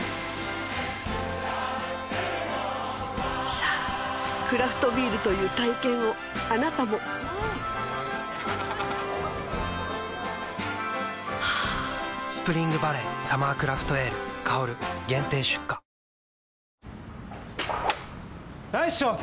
さぁクラフトビールという体験をあなたも「スプリングバレーサマークラフトエール香」限定出荷ナイスショット。